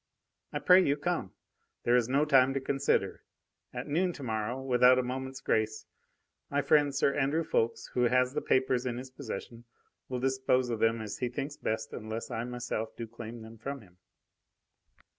I pray you, come! There is no time to consider! At noon to morrow, without a moment's grace, my friend Sir Andrew Ffoulkes, who has the papers in his possession, will dispose of them as he thinks best unless I myself do claim them from him."